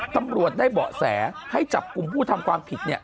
ตำรวจได้เบาะแสให้จับกลุ่มผู้ทำความผิด